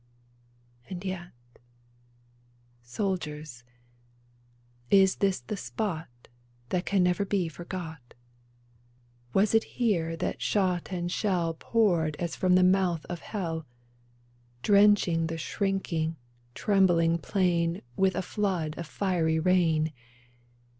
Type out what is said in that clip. And yet — Soldiers, is this the spot That can never be forgot ? Was it here that shot and shell Poured as from the mouth of hell, Drenched the shrinking, trembling plain With a flood of fiery rain